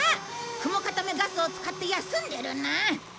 雲かためガスを使って休んでるな？